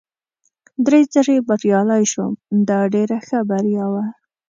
درې ځلي بریالی شوم، دا ډېره ښه بریا وه.